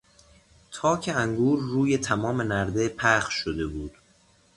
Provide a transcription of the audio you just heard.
تاک انگور روی تمام نرده پخش شده بود.